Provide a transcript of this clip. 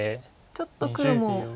ちょっと黒も。